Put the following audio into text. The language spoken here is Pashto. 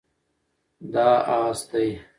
دا اس دی